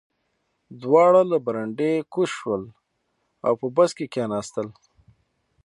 دواړه له برنډې کوز شول او په بس کې کېناستل